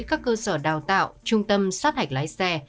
các cơ sở đào tạo trung tâm sát hạch lái xe